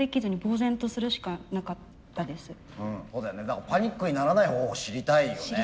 だからパニックにならない方法知りたいよね。